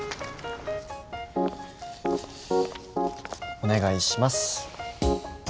お願いします。